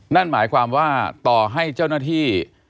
นั่นหมายความว่าต่อให้เจ้าหน้าที่